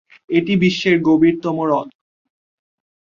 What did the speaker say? এটি বিশ্বের গভীরতম হ্রদ।